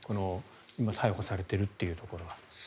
今、逮捕されているというところが。